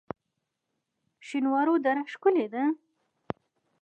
شینوارو دره ښکلې ده؟